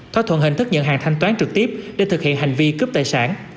thỏa thuận hình thức nhận hàng thanh toán trực tiếp để thực hiện hành vi cướp tài sản